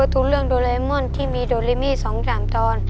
ผมเคยดูกับทุกเรื่องโดเรม่อนที่มีโดเรมี่๒๓ตอน